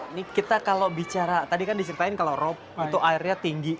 ini kita kalau bicara tadi kan diceritain kalau rob itu airnya tinggi